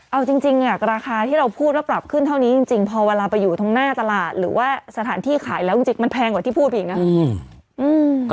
เอาจริงราคาที่เราพูดว่าปรับขึ้นเท่านี้จริงพอเวลาไปอยู่ตรงหน้าตลาดหรือว่าสถานที่ขายแล้วจริงมันแพงกว่าที่พูดไปอีกนะ